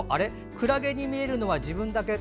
くらげに見えるのは自分だけ？